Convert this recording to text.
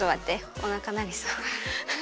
おなかなりそう。